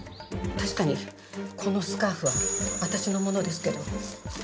確かにこのスカーフは私のものですけど。